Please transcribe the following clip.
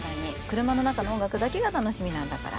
車の中の音楽だけが楽しみなんだから。